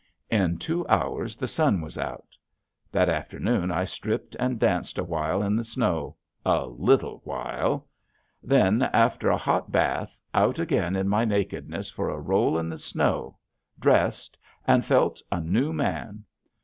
In two hours the sun was out. That afternoon I stripped and danced awhile in the snow a little while. Then, after a hot bath, out again in my nakedness for a roll in the snow, dressed, and felt a new man.